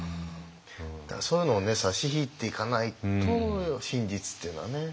そういうのを差し引いていかないと真実っていうのはね